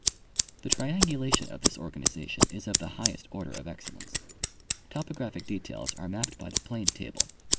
The triangulation of this organization is of the highest order of excellence. Topographic details are mapped by the plane table.